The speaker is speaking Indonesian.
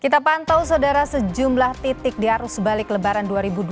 kita pantau saudara sejumlah titik di arus balik lebaran dua ribu dua puluh